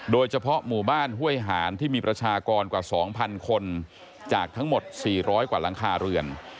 โดยเฉพาะหมู่บ้านห้วยหานที่มีประชากรกว่า๒๐๐คนจากทั้งหมด๔๐๐กว่าหลังคาเรือน